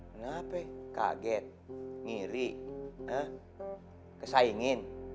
kenapa kaget ngiri hah kesaingin